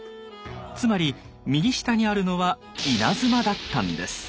つまり右下にあるのは稲妻だったんです。